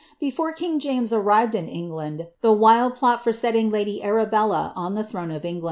Before king James arrived ii) England, the wild plot for setting lady Arabella on the throne of En; 'Loat;p, vol.